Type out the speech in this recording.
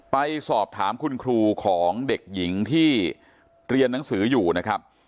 ไปสอบถามคุณครูของเด็กหญิงที่เรียนหนังสืออยู่นะครับ